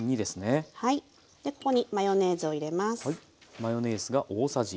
でここにマヨネーズを入れます。